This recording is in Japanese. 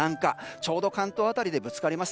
ちょうど関東辺りでぶつかります。